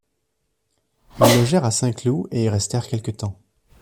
Ils logèrent à Saint-Cloud et y restèrent quelques temps.